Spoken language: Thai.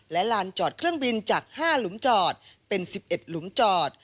และลานจอดเครื่องบินจาก๕หลุมจอดเป็น๑๑หลุมจอด